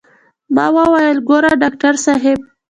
ما وويل ګوره ډاکتر صاحب.